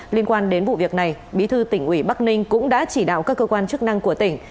liên quan đến vụ việc này bí thư tỉnh ủy bắc ninh cũng đã chỉ đạo các cơ quan chức năng của tỉnh